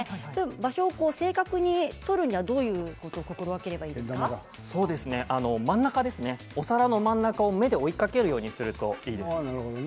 場所を正確に取るにはどういうことを心がければ真ん中ですねお皿の真ん中を目で追いかけるようにするといいです。